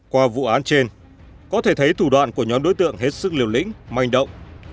qua vụ án trên có thể thấy thủ đoạn của nhóm đối tượng hết sức liều lĩnh manh động